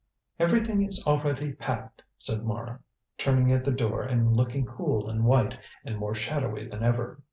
"Everything is already packed," said Mara, turning at the door and looking cool and white and more shadowy than ever.